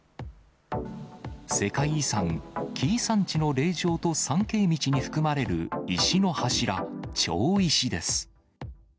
世界遺産、紀伊山地の霊場と参詣道に含まれる石の柱、町石です。